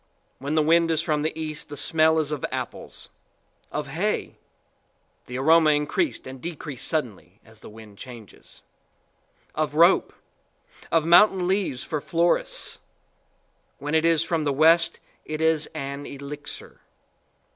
When the wind is from the east, the smell is of apples; of hay, the aroma increased and decreased suddenly as the wind changes; of rope; of mountain leaves for florists. When it is from the west, it is an elixir.